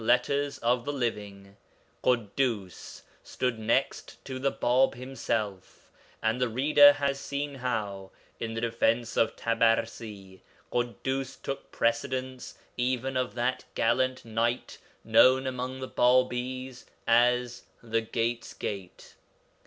Letters of the Living, Ḳuddus stood next to the Bāb himself, and the reader has seen how, in the defence of Tabarsi, Ḳuddus took precedence even of that gallant knight, known among the Bābīs as 'the Gate's Gate.'